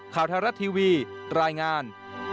ข่าวไทยรัฐทีวีรายงาน